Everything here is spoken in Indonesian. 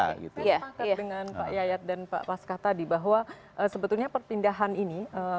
saya sepakat dengan pak yayat dan pak pasca tadi bahwa sebetulnya perpindahan ini